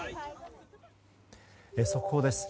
速報です。